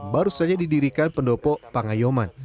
baru saja didirikan pendopo pangayoman